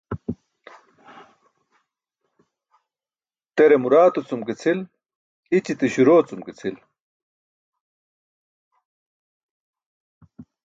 Tere muraato cum ke cʰil, i̇ćite śuroo cum ke cʰil.